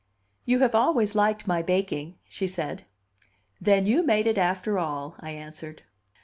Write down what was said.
"You have always liked my baking," she said. "Then you made it after all," I answered.